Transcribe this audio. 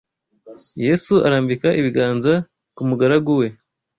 Yesu arambika ibiganza ku mugaragu we